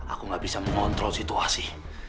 aku gak bisa mengontrol situasi